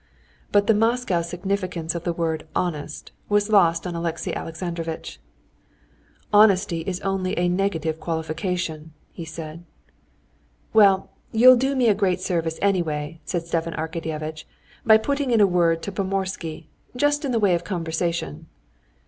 But the Moscow significance of the word "honest" was lost on Alexey Alexandrovitch. "Honesty is only a negative qualification," he said. "Well, you'll do me a great service, anyway," said Stepan Arkadyevitch, "by putting in a word to Pomorsky—just in the way of conversation...."